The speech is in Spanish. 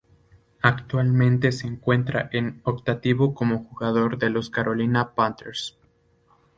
Actualmente se encuentra en activo como jugador de los Carolina Panthers.